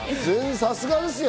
さすがですよ。